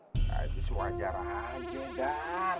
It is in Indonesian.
nah itu sewajar aja dar